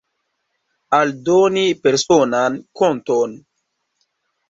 Aldoni personan konton.